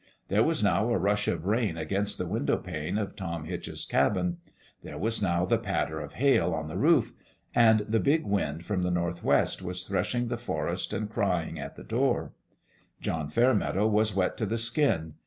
There was now a rush of rain against the window panes of Tom Hitch's cabin ; there was now the patter of hail on the roof. And the big wind from the North west was threshing the forest and crying at the door. John Fairmeadow was wet to the skin.